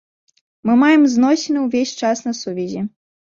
Мы маем зносіны, увесь час на сувязі.